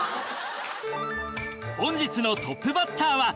本日のトップバッターは。